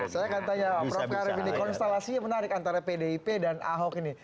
saya kan tanya pak prof karif ini konstalasi yang menarik antara pdip dan ahok ini